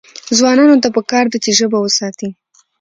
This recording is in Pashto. ځوانانو ته پکار ده چې، ژبه وساتي.